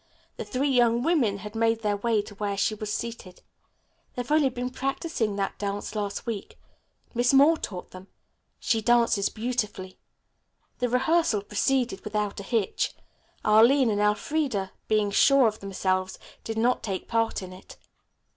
The three young women had made their way to where she was seated. "They only began practicing that dance last week. Miss Moore taught them. She dances beautifully." The rehearsal proceeded without a hitch. Arline and Elfreda, being sure of themselves, did not take part in it.